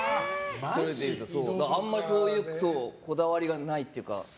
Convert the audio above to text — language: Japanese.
あんまりこだわりがないっていうか。